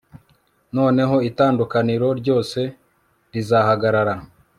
noneho itandukaniro ryose rizahagarara